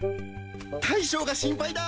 大将が心配だ！